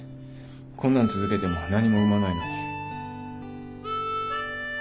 こんなん続けても何も生まないのに。